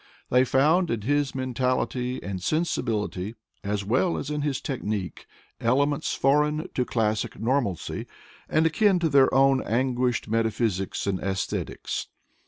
They found in his mentality and sensi bility, as well as in his technique, elements foreign to classic normalcy, and akin to their own anguished metaphysics and aesthetics.